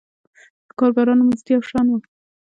د کارګرانو مزد یو شان و.